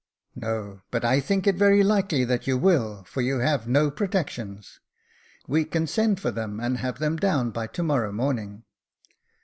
^' "No; but I think it very likely that you will, for you have no protections." *' We can send for them, and have them down by to morrow morning."